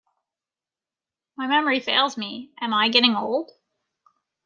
My memory fails me, am I getting old?